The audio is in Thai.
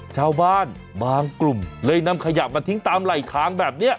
ชาวบ้านบางกลุ่มเลยนำขยะมาทิ้งตามไหล่ทางแบบนี้